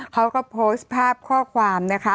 เขาก็โพสต์ภาพข้อความนะคะ